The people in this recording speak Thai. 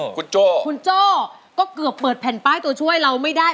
คุณโจ้คุณโจ้ก็เกือบเปิดแผ่นป้ายตัวช่วยเราไม่ได้